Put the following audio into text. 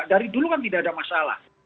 dari dulu kan tidak ada masalah